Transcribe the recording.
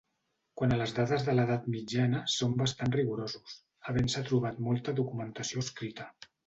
Quant a les dades de l'Edat Mitjana són bastant rigorosos, havent-se trobat molta documentació escrita.